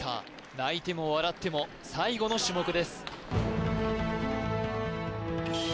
泣いても笑っても最後の種目です